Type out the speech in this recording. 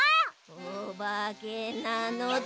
おばけなのだ！